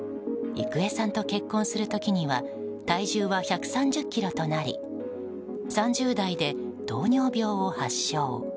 郁恵さんと結婚する時には体重は１３０ｋｇとなり３０代で糖尿病を発症。